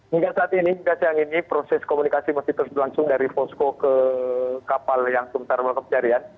hingga saat ini hingga siang ini proses komunikasi masih terus berlangsung dari posko ke kapal yang sementara melakukan pencarian